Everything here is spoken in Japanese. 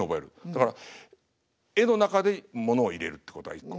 だから絵の中でものを入れるってことが１個。